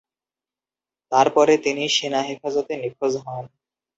তারপরে তিনি সেনা হেফাজতে নিখোঁজ হন।